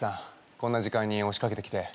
こんな時間に押し掛けてきて。